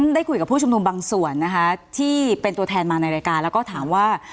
ได้คุยกับผู้ชุมนุมบางส่วนนะคะที่เป็นตัวแทนมาในรายการแล้วก็ถามว่า